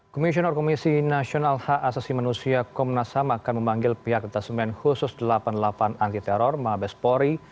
komisioner komisi nasional hak asasi manusia komnas ham akan memanggil pihak detasemen khusus delapan puluh delapan anti teror mabespori